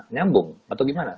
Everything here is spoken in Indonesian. nyambung atau gimana